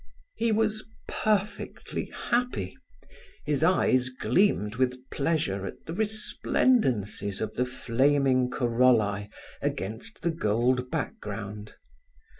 He was perfectly happy. His eyes gleamed with pleasure at the resplendencies of the flaming corrollae against the gold background.